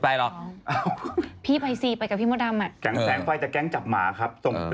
พี่ไปซิไปกับพี่หมูดำ